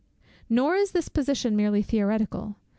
Nor is this position merely theoretical.